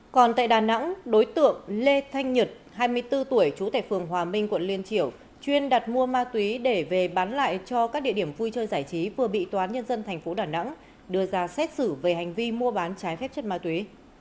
còn tại đà nẵng đối tượng lê thanh nhật hai mươi bốn tuổi trú tại phường hòa minh quận liên triểu chuyên đặt mua ma túy để về bán lại cho các địa điểm vui chơi giải trí vừa bị toán nhân dân thành phố đà nẵng đưa ra xét xử về hành vi mua bán trái phép chất ma túy